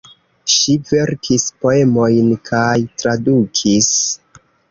Ŝi verkis poemojn kaj tradukis.